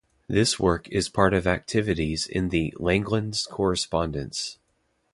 This work is part of activities in the Langlands correspondence.